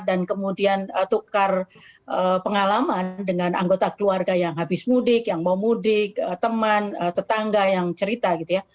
dan kemudian tukar pengalaman dengan anggota keluarga yang habis mudik yang mau mudik teman tetangga yang cerita